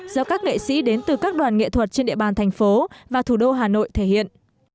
do các nghệ sĩ đến từ các đoàn nghệ thuật trên địa bàn thành phố và thủ đô hà nội thể hiện